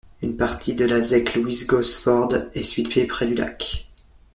Une partie de la Zec Louise-Gosford est située près du lac.